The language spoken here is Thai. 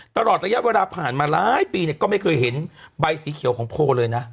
ตลอดระยะเวลาผ่านมาหลายปีเนี่ยก็ไม่เคยเห็นใบสีเขียวของโพลเลยนะ